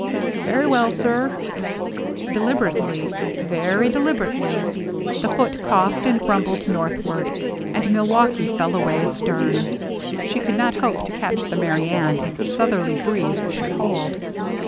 " Very well, sir." Deliberately, very deliberately, the Foote coughed and rumbled northward, and Mil waukee fell away astern. She could not hope to catch the Merry Anne if the southerly breeze should hold.